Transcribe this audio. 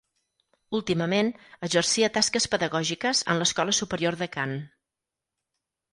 Últimament, exercia tasques pedagògiques en l'Escola Superior de Cant.